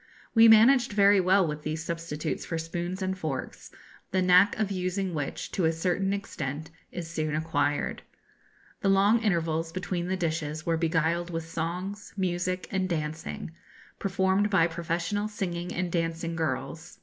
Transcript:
We managed very well with these substitutes for spoons and forks, the knack of using which, to a certain extent, is soon acquired. The long intervals between the dishes were beguiled with songs, music, and dancing, performed by professional singing and dancing girls.